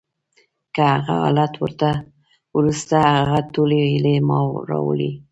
له هغه حالت وروسته، هغه ټولې هیلې ما راوړې